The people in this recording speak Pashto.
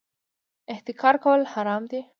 احتکار کول حرام دي